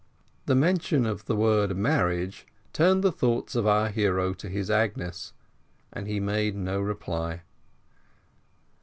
The mention of the word marriage turned the thoughts of our hero to his Agnes, and he made no reply.